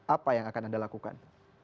apa yang akan anda lakukan